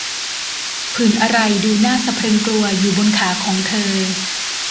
ผื่นอะไรดูน่าสะพรึงกลัวอยู่บนขาของเธอ !